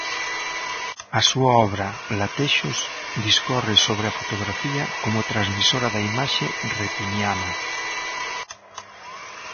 A súa obra, Latexos, discorre sobre a fotografía como transmisora da imaxe retiniana.